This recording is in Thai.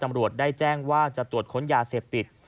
ตำรวจได้แจ้งว่าจะตรวจค้นยาเสพติด